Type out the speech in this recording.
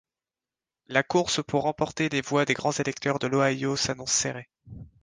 La course pour remporter les voix des grands électeurs de l’Ohio s’annonce serrée.